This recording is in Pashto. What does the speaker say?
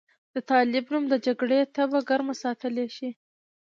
د طالب نوم د جګړې تبه ګرمه ساتلی شي.